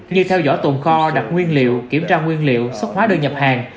như theo dõi tồn kho đặt nguyên liệu kiểm tra nguyên liệu xuất hóa đơn nhập hàng